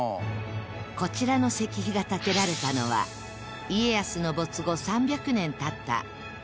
こちらの石碑が立てられたのは家康の没後３００年経った大正時代といわれ